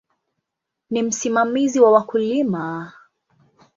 Ni msimamizi wa wakulima.